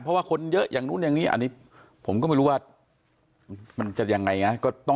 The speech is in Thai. เพราะว่าคนเยอะแบบนั้นอย่างนี้ผมก็ไม่รู้ว่ามันจะยังไงนะ